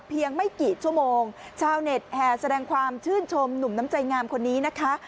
ไม่กี่ชั่วโมงชาวเน็ตแห่แสดงความชื่นชมหนุ่มน้ำใจงามคนนี้นะคะ